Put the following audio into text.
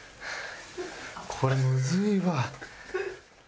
これむずいわ。